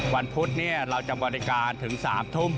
พุธเราจะบริการถึง๓ทุ่ม